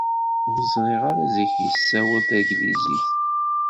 Ur ẓriɣ ara ziɣ yessawal tanglizit.